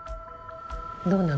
どうなの？